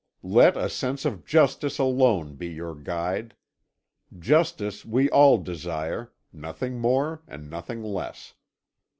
Let a sense of justice alone be your guide. Justice we all desire, nothing more and nothing less.